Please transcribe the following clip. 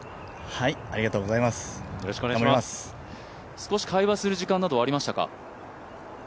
少し会話をする時間などありましたか？